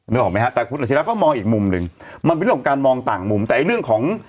ออกไหมฮะแต่คุณอาชิระก็มองอีกมุมหนึ่งมันเป็นเรื่องของการมองต่างมุมแต่ไอ้เรื่องของ